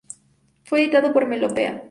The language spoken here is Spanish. Fue editado por Melopea.